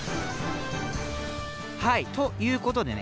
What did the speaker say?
はいということでね